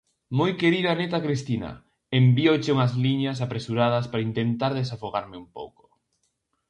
Moi querida neta Cristina: envíoche unhas liñas apresuradas para intentar desafogarme un pouco.